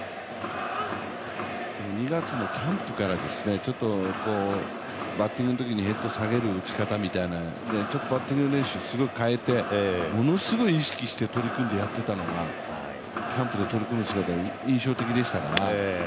２月のキャンプからバッティングのときにヘッドを下げる打ち方みたいなちょっとバッティング練習を変えて、ものすごい意識変えてやっていたのがキャンプで取り組む姿が印象的でしたから。